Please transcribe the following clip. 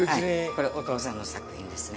これお父さんの作品ですね。